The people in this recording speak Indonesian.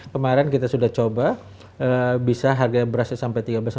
kemarin kita sudah coba bisa harga berasnya sampai tiga belas ribu empat belas ribu